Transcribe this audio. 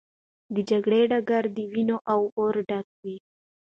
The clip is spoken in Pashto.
د جګړې ډګر د وینو او اور ډک و.